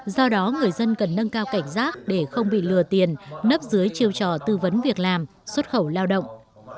do đó người dân cần nâng cao cảnh giác để không bị lừa tiền nấp dưới chiêu trò tư vấn việc làm xuất khẩu lao động